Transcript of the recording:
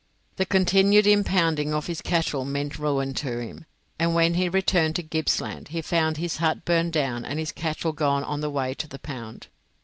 The continued impounding of his cattle meant ruin to him, and when he returned to Gippsland he found his hut burned down and his cattle gone on the way to the pound.